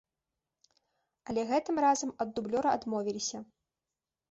Але гэтым разам ад дублёра адмовіліся.